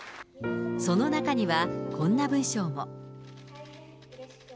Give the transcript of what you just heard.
その中には、こんな文章も。